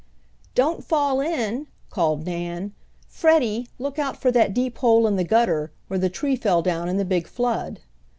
"Don't fall in," called Nan. "Freddie, look out for that deep hole in the gutter, where the tree fell down in the big flood."